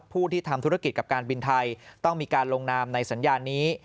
ผู้ที่ทำธุรกิจกับการบินไทยต้องมีการลงนามในสัญญานี้